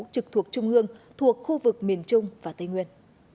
trực thuộc trung ương thuộc khu vực miền trung và tây nguyên